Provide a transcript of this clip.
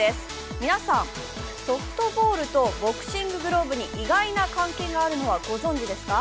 皆さん、ソフトボールとボクシンググローブに意外な関係があるのはご存じですか？